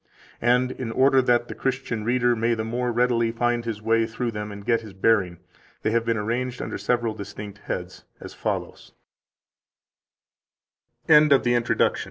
18 And in order that the Christian reader may the more readily find his way through them and get his bearing, they have been arranged under several distinct heads as follows: 19 First, that the H